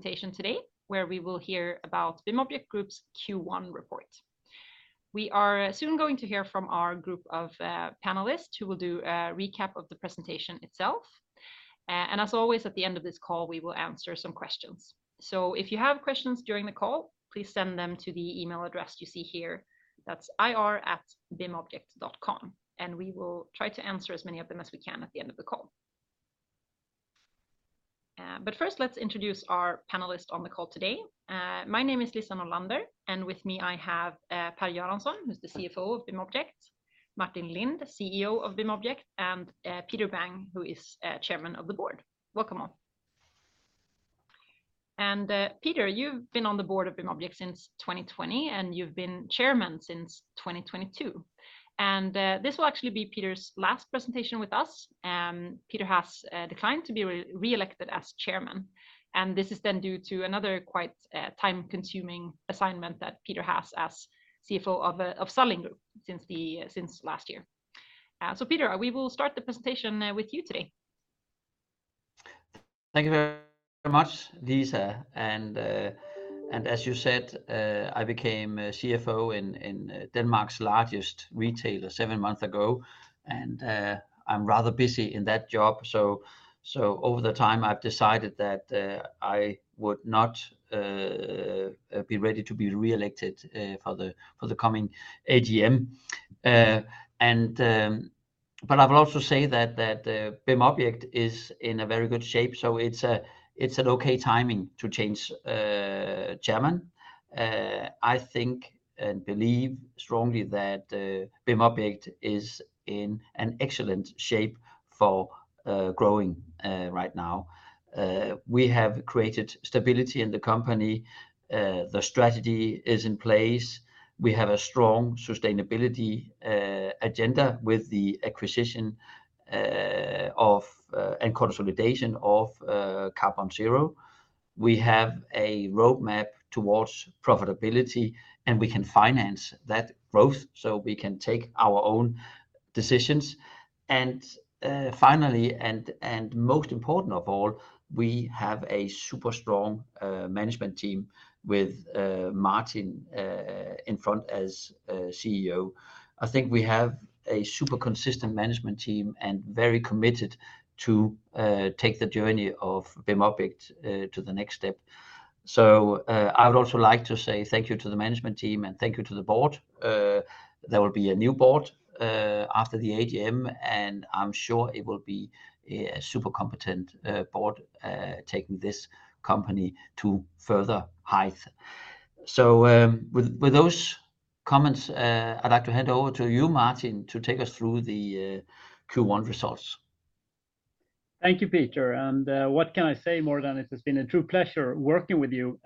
Welcome to our presentation today, where we will hear about BIMobject Group's Q1 report. We are soon going to hear from our group of panelists, who will do a recap of the presentation itself. As always, at the end of this call, we will answer some questions. If you have questions during the call, please send them to the email address you see here. That's ir@BIMobject.com, and we will try to answer as many of them as we can at the end of the call. First, let's introduce our panelists on the call today. My name is Lisa Norlander, and with me, I have Per Göransson, who's the CFO of BIMobject, Martin Lindh, the CEO of BIMobject, and Peter Bang, who is Chairman of the Board. Welcome all. Peter, you've been on the board of BIMobject since 2020, and you've been chairman since 2022. This will actually be Peter's last presentation with us. Peter has declined to be reelected as chairman, and this is then due to another quite time-consuming assignment that Peter has as CFO of Salling Group since last year. So Peter, we will start the presentation with you today. Thank you very, very much, Lisa, and as you said, I became a CFO in Denmark's largest retailer seven months ago, and I'm rather busy in that job. So over the time, I've decided that I would not be ready to be reelected for the coming AGM. But I will also say that BIMobject is in a very good shape, so it's an okay timing to change chairman. I think and believe strongly that BIMobject is in an excellent shape for growing right now. We have created stability in the company. The strategy is in place. We have a strong sustainability agenda with the acquisition of and consolidation of Carbonzero. We have a roadmap toward profitability, and we can finance that growth, so we can take our own decisions. And, finally, and most important of all, we have a super strong management team with Martin in front as CEO. I think we have a super consistent management team, and very committed to take the journey of BIMobject to the next step. So, I would also like to say thank you to the management team and thank you to the board. There will be a new board after the AGM, and I'm sure it will be a super competent board taking this company to further heights. So, with those comments, I'd like to hand over to you, Martin, to take us through Q1 results. Thank you, Peter, and what can I say more than it has been a true pleasure working with you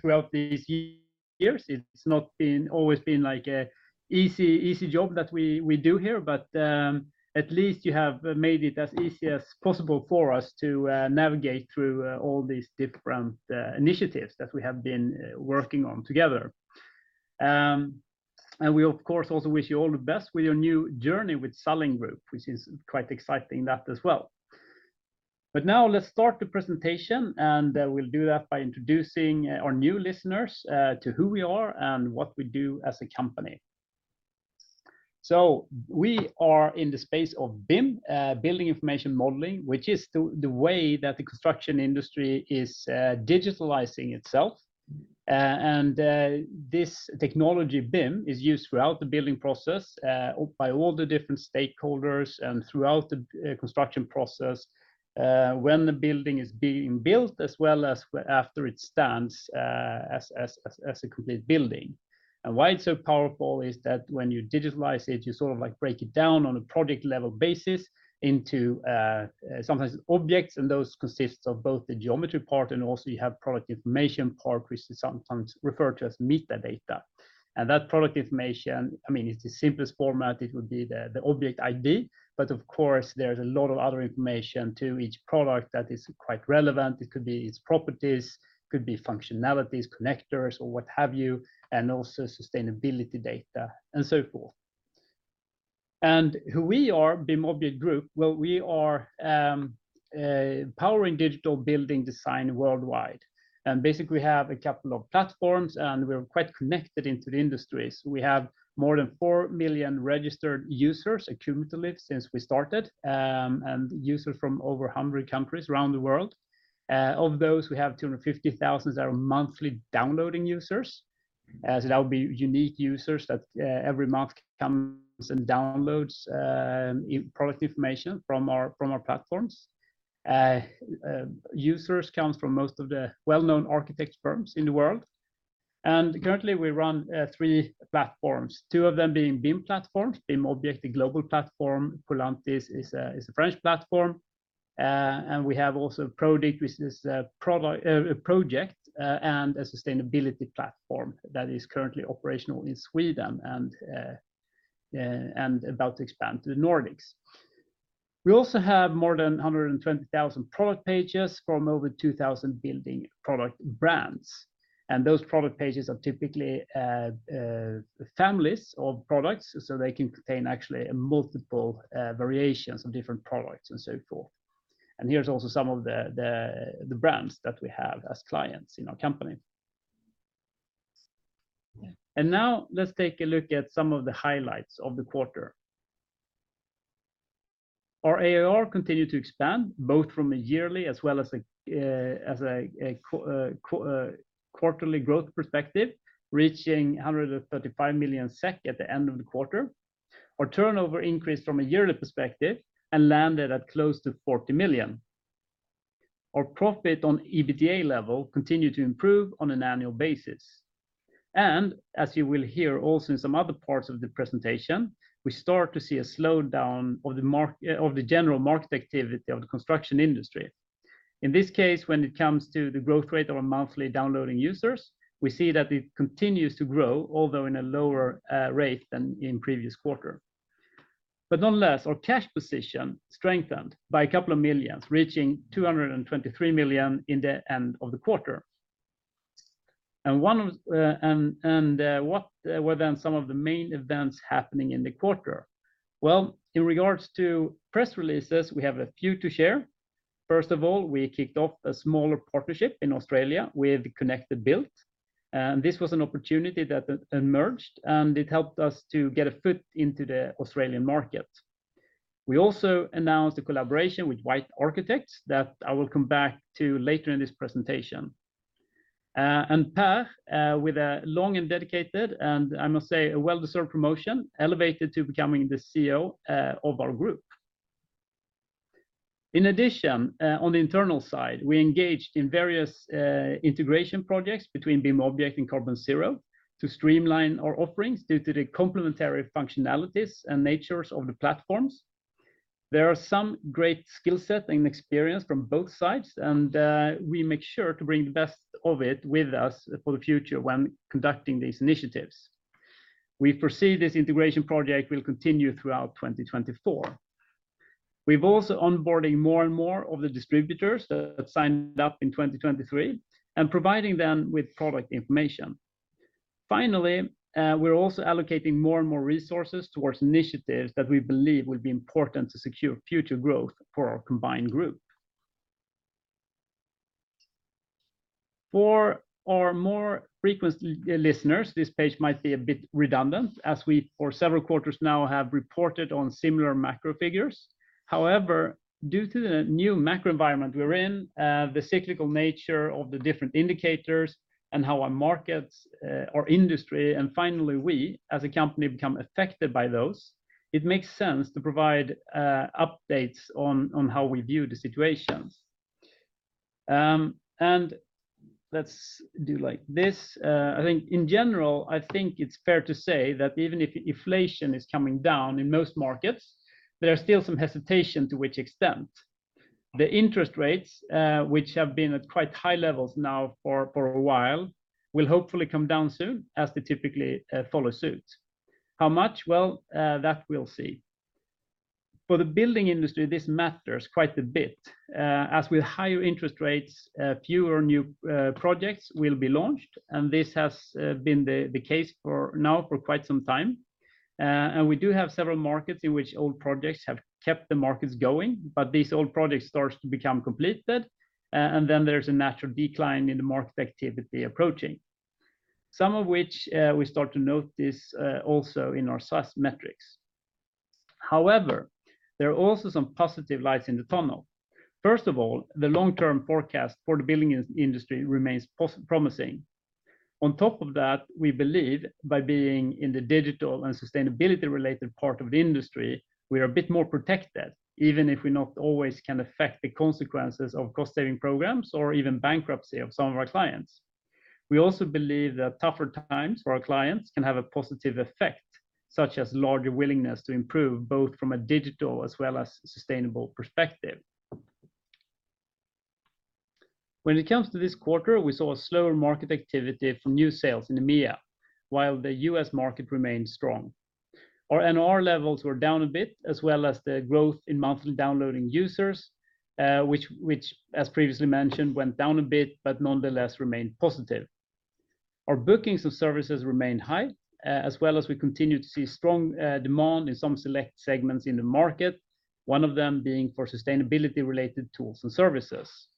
throughout these years? It's not been always been like a easy, easy job that we, we do here, but at least you have made it as easy as possible for us to navigate through all these different initiatives that we have been working on together. And we, of course, also wish you all the best with your new journey with Salling Group, which is quite exciting, that as well. But now let's start the presentation, and we'll do that by introducing our new listeners to who we are and what we do as a company. So we are in the space of BIM, Building Information Modeling, which is the, the way that the construction industry is digitalizing itself. And this technology, BIM, is used throughout the building process by all the different stakeholders and throughout the construction process when the building is being built, as well as after it stands as a complete building. And why it's so powerful is that when you digitalize it, you sort of, like, break it down on a project-level basis into sometimes objects, and those consists of both the geometry part and also you have product information part, which is sometimes referred to as metadata. And that product information, I mean, it's the simplest format, it would be the object ID. But of course, there's a lot of other information to each product that is quite relevant. It could be its properties, could be functionalities, connectors, or what have you, and also sustainability data, and so forth. Who we are, BIMobject Group. Well, we are powering digital building design worldwide, and basically have a couple of platforms, and we're quite connected into the industry. So we have more than four million registered users cumulatively since we started, and users from over 100 countries around the world. Of those, we have 250,000 that are monthly downloading users, as that would be unique users that every month comes and downloads product information from our platforms. Users comes from most of the well-known architect firms in the world, and currently, we run three platforms, two of them being BIM platforms, BIMobject, a global platform. Polantis is a French platform. And we have also Prodikt, which is a product...a project and a sustainability platform that is currently operational in Sweden and about to expand to the Nordics. We also have more than 120,000 product pages from over 2,000 building product brands. And those product pages are typically families of products, so they can contain actually multiple variations of different products and so forth. And here's also some of the brands that we have as clients in our company. And now let's take a look at some of the highlights of the quarter. Our ARR continued to expand, both from a yearly as well as a quarterly growth perspective, reaching 135 million SEK at the end of the quarter. Our turnover increased from a yearly perspective and landed at close to 40 million. Our profit on EBITDA level continued to improve on an annual basis. As you will hear also in some other parts of the presentation, we start to see a slowdown of the market of the general market activity of the construction industry. In this case, when it comes to the growth rate of our monthly downloading users, we see that it continues to grow, although in a lower rate than in previous quarter. Nonetheless, our cash position strengthened by a couple of millions, reaching 223 million in the end of the quarter. And one of, and, and, what were then some of the main events happening in the quarter? Well, in regards to press releases, we have a few to share. First of all, we kicked off a smaller partnership in Australia with Connect Built, and this was an opportunity that emerged, and it helped us to get a foot into the Australian market. We also announced a collaboration with White Arkitekter that I will come back to later in this presentation. And Per, with a long and dedicated, and I must say, a well-deserved promotion, elevated to becoming the CEO of our group. In addition, on the internal side, we engaged in various integration projects between BIMobject and Carbonzero to streamline our offerings due to the complementary functionalities and natures of the platforms. There are some great skill set and experience from both sides, and we make sure to bring the best of it with us for the future when conducting these initiatives. We foresee this integration project will continue throughout 2024. We've also onboarding more and more of the distributors that signed up in 2023 and providing them with product information. Finally, we're also allocating more and more resources towards initiatives that we believe will be important to secure future growth for our combined group. For our more frequent listeners, this page might be a bit redundant, as we, for several quarters now, have reported on similar macro figures. However, due to the new macro environment we're in, the cyclical nature of the different indicators and how our markets, our industry, and finally, we, as a company, become affected by those, it makes sense to provide updates on how we view the situations. And let's do like this. I think in general, I think it's fair to say that even if inflation is coming down in most markets, there are still some hesitation to which extent. The interest rates, which have been at quite high levels now for a while, will hopefully come down soon, as they typically follow suit. How much? Well, that we'll see. For the building industry, this matters quite a bit, as with higher interest rates, fewer new projects will be launched, and this has been the case for now for quite some time. And we do have several markets in which old projects have kept the markets going, but these old projects starts to become completed, and then there's a natural decline in the market activity approaching, some of which we start to notice also in our SaaS metrics. However, there are also some positive lights in the tunnel. First of all, the long-term forecast for the building industry remains promising. On top of that, we believe by being in the digital and sustainability-related part of the industry, we are a bit more protected, even if we not always can affect the consequences of cost-saving programs or even bankruptcy of some of our clients. We also believe that tougher times for our clients can have a positive effect, such as larger willingness to improve, both from a digital as well as sustainable perspective. When it comes to this quarter, we saw a slower market activity from new sales in EMEA, while the U.S. market remained strong. Our NRR levels were down a bit, as well as the growth in monthly downloading users, which, as previously mentioned, went down a bit, but nonetheless remained positive. Our bookings of services remained high, as well as we continue to see strong demand in some select segments in the market, one of them being for sustainability-related tools and services.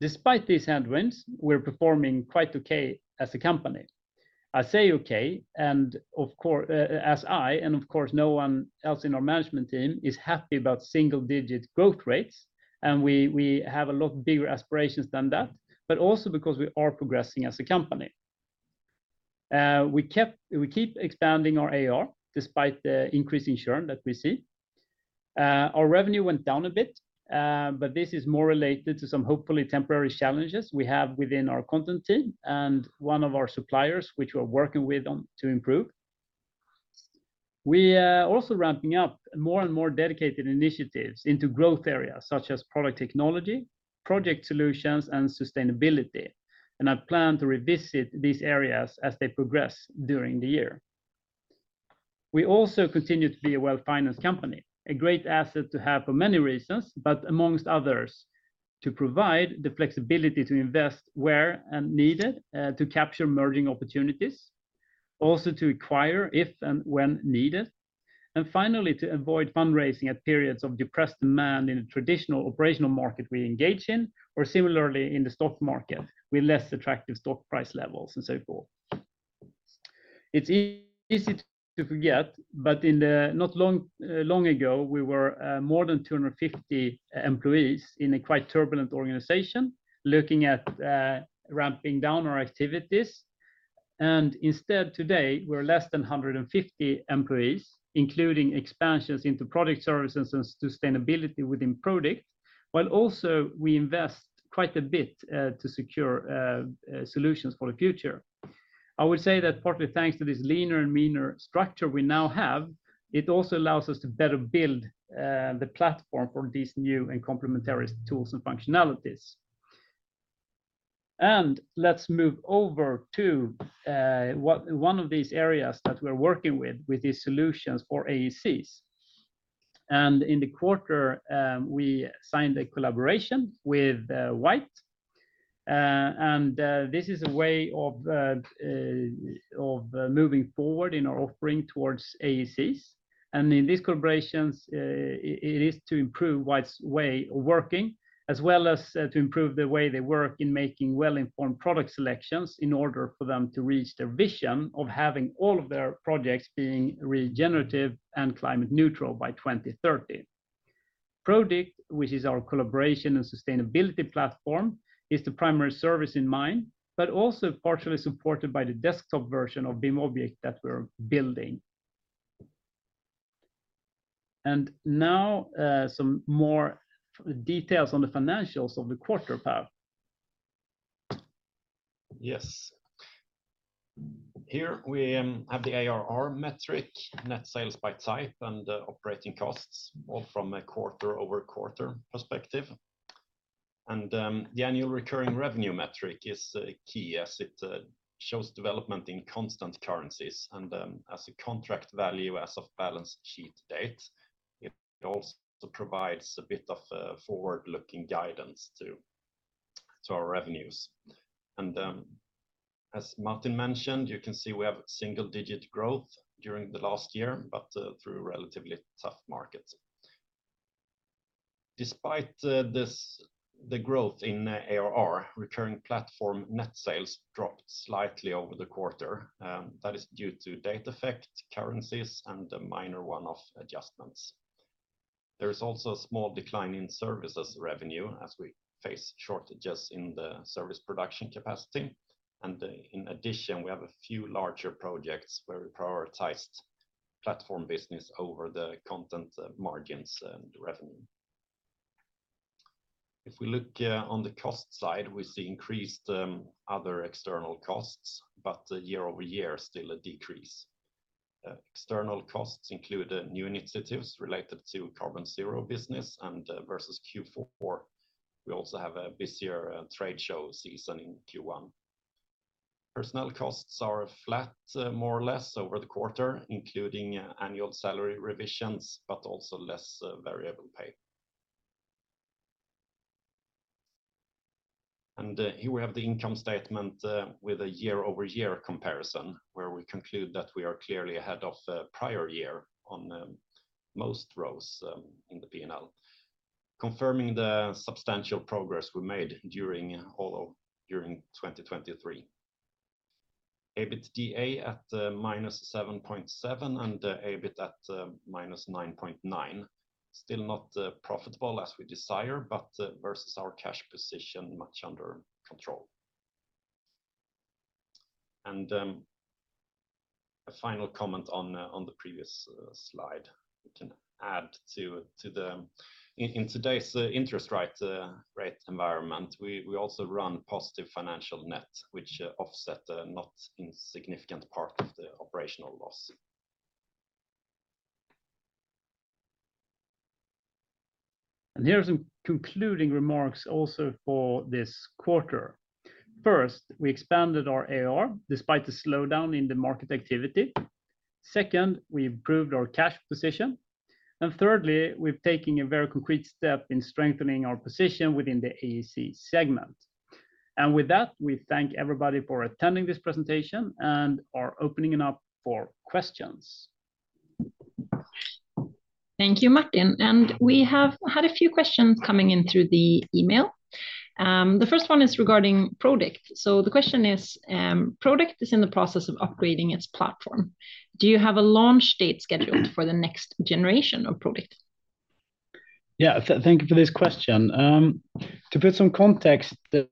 Despite these headwinds, we're performing quite okay as a company. I say, "Okay," and of course, as I, and of course, no one else in our management team is happy about single-digit growth rates, and we have a lot bigger aspirations than that, but also because we are progressing as a company. We keep expanding our AR, despite the increase in churn that we see. Our revenue went down a bit, but this is more related to some hopefully temporary challenges we have within our content team and one of our suppliers, which we're working with them to improve. We are also ramping up more and more dedicated initiatives into growth areas such as product technology, project solutions, and sustainability, and I plan to revisit these areas as they progress during the year. We also continue to be a well-financed company, a great asset to have for many reasons, but amongst others, to provide the flexibility to invest where needed to capture emerging opportunities, also to acquire if and when needed, and finally, to avoid fundraising at periods of depressed demand in a traditional operational market we engage in, or similarly, in the stock market, with less attractive stock price levels and so forth. It's easy to forget, but in the not long ago, we were more than 250 employees in a quite turbulent organization, looking at ramping down our activities. And instead, today, we're less than 150 employees, including expansions into product services and sustainability within product, while also we invest quite a bit to secure solutions for the future. I would say that partly thanks to this leaner and meaner structure we now have, it also allows us to better build the platform for these new and complementary tools and functionalities. And let's move over to one of these areas that we're working with, with these solutions for AECs. And in the quarter, we signed a collaboration with White Arkitekter, and this is a way of moving forward in our offering towards AECs. In these collaborations, it is to improve White Arkitekter's way of working, as well as, to improve the way they work in making well-informed product selections in order for them to reach their vision of having all of their projects being regenerative and climate neutral by 2030. Prodikt, which is our collaboration and sustainability platform, is the primary service in mind, but also partially supported by the desktop version of BIMobject that we're building. And now, some more details on the financials of the quarter, Per. Yes. Here we have the ARR metric, net sales by type, and operating costs, all from a quarter-over-quarter perspective. And the annual recurring revenue metric is key, as it shows development in constant currencies and as a contract value as of balance sheet date. It also provides a bit of a forward-looking guidance to, to our revenues. And as Martin mentioned, you can see we have single-digit growth during the last year, but through relatively tough markets. Despite this, the growth in ARR, recurring platform net sales dropped slightly over the quarter. That is due to data effect, currencies, and the minor one-off adjustments. There is also a small decline in services revenue as we face shortages in the service production capacity, and in addition, we have a few larger projects where we prioritized platform business over the content margins and revenue. If we look on the cost side, we see increased other external costs, but year-over-year, still a decrease. External costs include new initiatives related to Carbonzero business, and versus Q4, we also have a busier trade show season in Q1. Personnel costs are flat, more or less, over the quarter, including annual salary revisions, but also less variable pay. And here we have the income statement with a year-over-year comparison, where we conclude that we are clearly ahead of the prior year on most rows in the P&L, confirming the substantial progress we made during 2023. EBITDA at -7.7 and EBIT at -9.9. Still not profitable as we desire, but versus our cash position, much under control. A final comment on the previous slide we can add to the. In today's interest rate rate environment, we also run positive financial net, which offset a not insignificant part of the operational loss. Here are some concluding remarks also for this quarter. First, we expanded our ARR despite the slowdown in the market activity. Second, we improved our cash position. Thirdly, we're taking a very concrete step in strengthening our position within the AEC segment. With that, we thank everybody for attending this presentation, and are opening it up for questions. Thank you, Martin. We have had a few questions coming in through the email. The first one is regarding Prodikt. So the question is, "Prodikt is in the process of upgrading its platform. Do you have a launch date scheduled for the next generation of Prodikt? Yeah, thank you for this question. To put some context to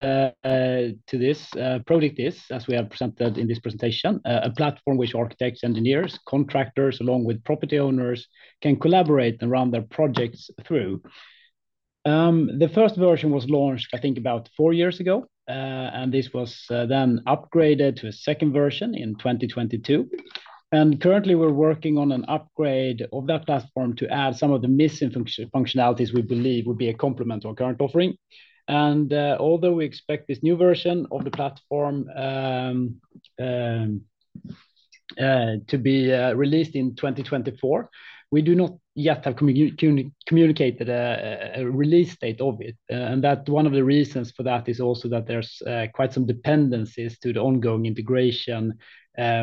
this, Prodikt is, as we have presented in this presentation, a platform which architects, engineers, contractors, along with property owners, can collaborate and run their projects through. The first version was launched, I think, about four years ago, and this was then upgraded to a second version in 2022. Currently, we're working on an upgrade of that platform to add some of the missing functionalities we believe would be a complement to our current offering. Although we expect this new version of the platform, to be released in 2024. We do not yet have communicated a release date of it. And that one of the reasons for that is also that there's quite some dependencies to the ongoing integration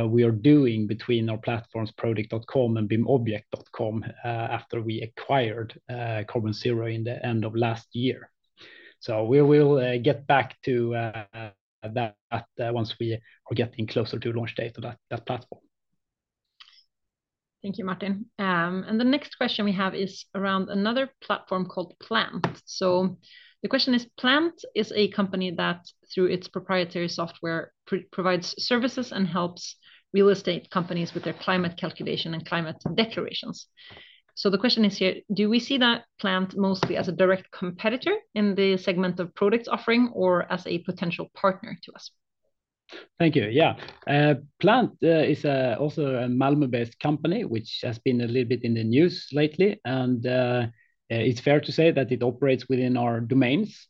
we are doing between our platforms, Prodikt.com and Bimobject.com, after we acquired Carbonzero in the end of last year. So we will get back to that once we are getting closer to launch date of that platform. Thank you, Martin. The next question we have is around another platform called Plant. So the question is, Plant is a company that, through its proprietary software, provides services and helps real estate companies with their climate calculation and climate declarations. So the question is here, do we see that Plant mostly as a direct competitor in the segment of product offering or as a potential partner to us? Thank you. Yeah. Plant is also a Malmö-based company, which has been a little bit in the news lately, and it's fair to say that it operates within our domains.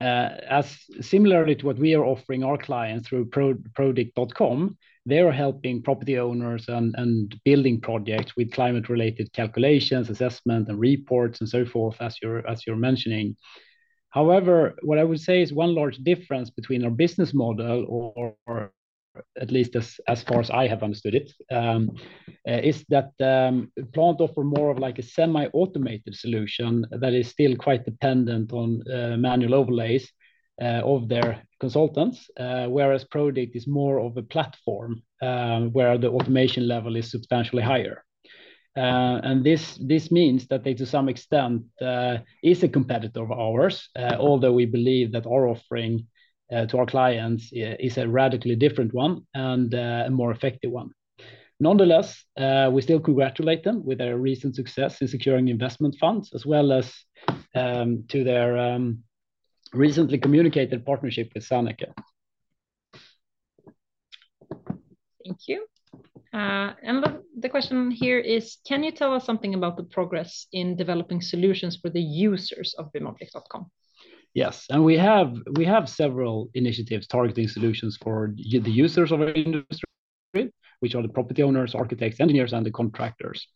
As similarly to what we are offering our clients through Prodikt.com, they are helping property owners and building projects with climate-related calculations, assessment, and reports, and so forth, as you're mentioning. However, what I would say is one large difference between our business model, or at least as far as I have understood it, is that Plant offer more of like a semi-automated solution that is still quite dependent on manual overlays of their consultants. Whereas Prodikt is more of a platform, where the automation level is substantially higher. And this, this means that they, to some extent, is a competitor of ours, although we believe that our offering, to our clients is a radically different one and, a more effective one. Nonetheless, we still congratulate them with their recent success in securing investment funds, as well as, to their, recently communicated partnership with Serneke. Thank you. The question here is, can you tell us something about the progress in developing solutions for the users of BIMobject.com? Yes, and we have several initiatives targeting solutions for the users of our industry, which are the property owners, architects, engineers, and the contractors.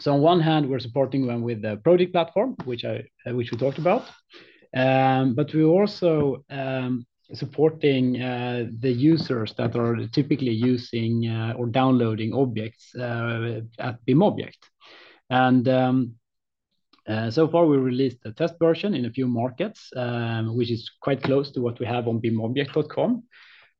So on one hand, we're supporting them with the product platform, which we talked about. But we're also supporting the users that are typically using or downloading objects at BIMobject. And so far, we released a test version in a few markets, which is quite close to what we have on BIMobject.com.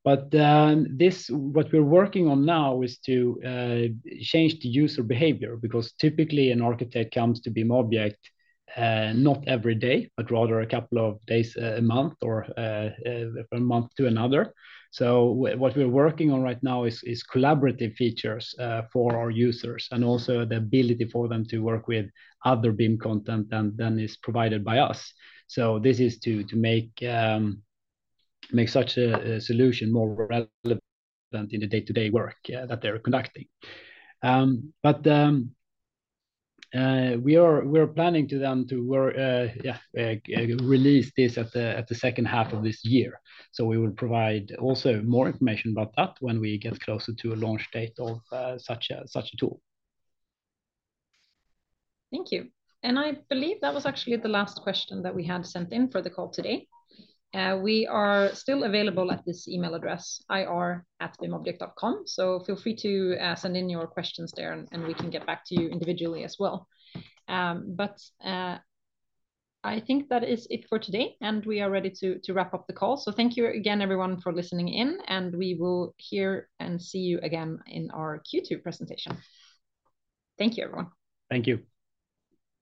But this, what we're working on now is to change the user behavior, because typically an architect comes to BIMobject, not every day, but rather a couple of days a month or a month to another. So what we're working on right now is collaborative features for our users, and also the ability for them to work with other BIM content than is provided by us. So this is to make such a solution more relevant in the day-to-day work, yeah, that they're conducting. But we are, we're planning to them to work, yeah, release this at the second half of this year. So we will provide also more information about that when we get closer to a launch date of such a tool. Thank you. I believe that was actually the last question that we had sent in for the call today. We are still available at this email address, ir@bimobject.com, so feel free to send in your questions there, and we can get back to you individually as well. I think that is it for today, and we are ready to wrap up the call. Thank you again, everyone, for listening in, and we will hear and see you again in our Q2 presentation. Thank you, everyone. Thank you.